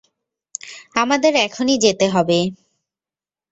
আমাদের এখনই যেতে হবে!